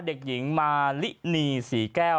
เด็กหญิงมาลินีศรีแก้ว